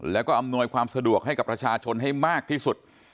แล้วก็อำนวยความสะดวกให้กับประชาชนให้มากที่สุด